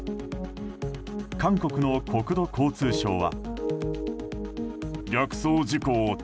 韓国の国土交通省は。